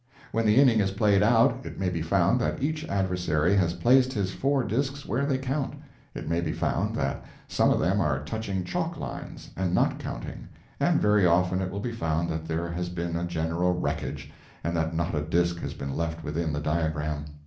When the inning is played out it may be found that each adversary has placed his four disks where they count; it may be found that some of them are touching chalk lines and not counting; and very often it will be found that there has been a general wreckage, and that not a disk has been left within the diagram.